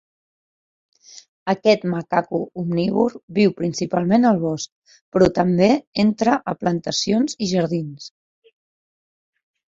Aquest macaco omnívor viu principalment al bosc, però també entra a plantacions i jardins.